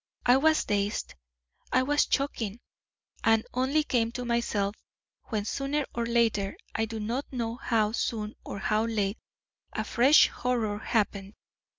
I was dazed, I was choking, and only came to myself when, sooner or later, I do not know how soon or how late, a fresh horror happened.